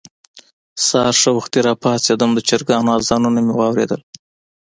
سهار ښه وختي راپاڅېدم، د چرګانو اذانونه مې واورېدل.